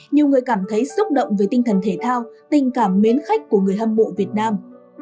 nhiều người cảm thấy xúc động về tinh thần thể thao tình cảm mến khách của người hâm mộ việt nam